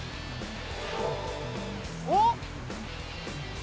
おっ！